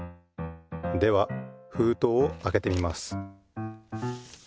ではふうとうをあけてみます。